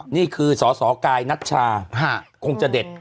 นี่คือสสกายนัชชาคงจะเด็ด